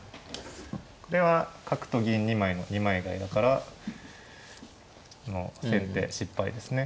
これは角と銀２枚の二枚替えだから先手失敗ですね。